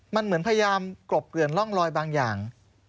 มันเหมือนพยายามกลบเกลื่อนร่องลอยบางอย่าง